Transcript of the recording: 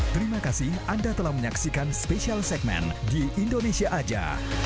terima kasih anda telah menyaksikan special segmen di indonesia aja